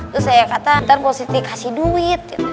terus saya kata nanti mp siti kasih duit